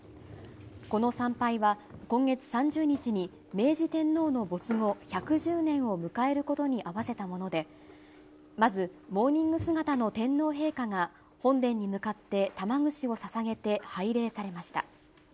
この参拝は、今月３０日に明治天皇の没後１１０年を迎えることに合わせたもので、まず、モーニング姿の天皇陛下が、本殿に向かって玉串をささげて拝礼されました。